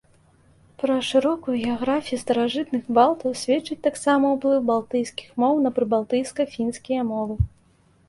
Пра шырокую геаграфію старажытных балтаў сведчыць таксама ўплыў балтыйскіх моў на прыбалтыйска-фінскія мовы.